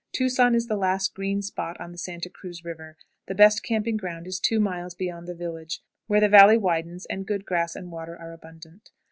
Tucson is the last green spot on the Santa Cruz River. The best camping ground is two miles beyond the village, where the valley widens, and good grass and water are abundant.